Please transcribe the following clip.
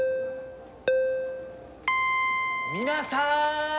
皆さん！